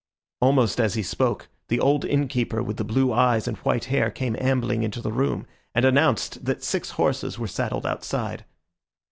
Almost as he spoke, the old innkeeper with the blue eyes and white hair came ambling into the room, and announced that six horses were saddled outside.